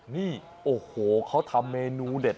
นี่โอ้โหเขาทำเมนูเด็ด